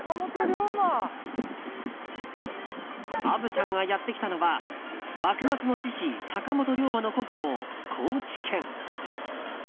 虻ちゃんがやってきたのは幕末の志士坂本龍馬の故郷・高知県。